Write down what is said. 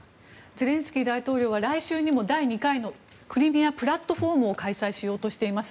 ゼレンスキー大統領は来週にも、第２回のクリミア・プラットフォームを開催しようとしています。